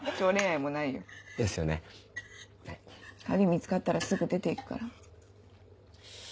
見つかったらすぐ出て行くから。